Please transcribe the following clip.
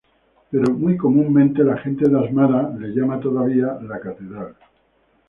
Pero muy comúnmente la gente de Asmara la llama todavía "la catedral".